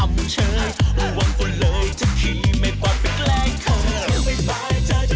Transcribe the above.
มันมีเมืองที่ว่า